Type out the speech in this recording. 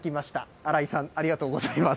あらいさん、ありがとうございます。